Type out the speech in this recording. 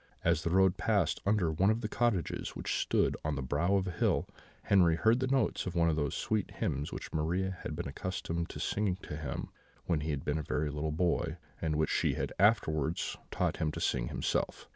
As the road passed under one of the cottages which stood on the brow of a hill, Henri heard the notes of one of those sweet hymns which Maria had been accustomed to sing to him when he was a very little boy, and which she had afterwards taught him to sing himself.